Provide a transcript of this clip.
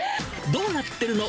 どうなってるの？